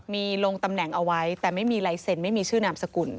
มีลงตำแหน่งเอาไว้แต่ไม่มีลายเซ็นต์ไม่มีชื่อนามสกุล